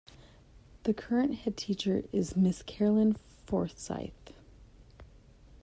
The current Headteacher is Ms Carolyn Forsyth.